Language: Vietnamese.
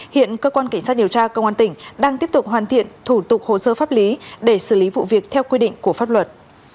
hiện cơ quan cảnh sát điều tra công an tỉnh đang tiếp tục hoàn thiện thủ tục hồ sơ pháp lý để xử lý vụ việc theo quy định của pháp luật